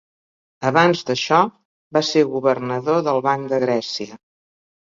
Abans d'això, va ser governador del Banc de Grècia.